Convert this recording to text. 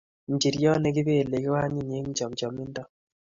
Njiriot ne kipelei ko anyiny eng chamchamindo